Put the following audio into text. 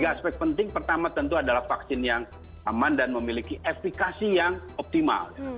tiga aspek penting pertama tentu adalah vaksin yang aman dan memiliki efekasi yang optimal